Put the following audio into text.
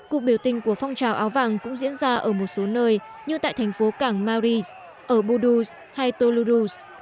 cuộc biểu tình của phong trào áo vàng cũng diễn ra ở một số nơi như tại thành phố cảng maurice ở boudouz hay toulouse